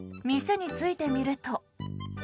店に着いてみると。